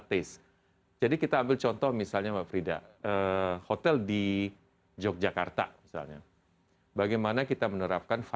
terima kasih jadi kita ambil contoh misalnya mbak frida hotel di yogyakarta misalnya bagaimana kita menerapkan